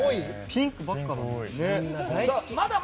ピンクばっかりだ。